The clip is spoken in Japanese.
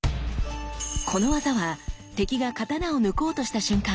この技は敵が刀を抜こうとした瞬間